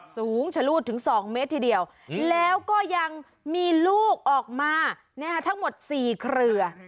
สูงชะลูดถึง๒เมตรทีเดียวแล้วก็ยังมีลูกออกมาทั้งหมด๔เครือ